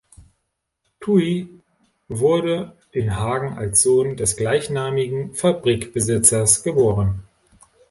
Thuy wurde in Hagen als Sohn des gleichnamigen Fabrikbesitzers geboren.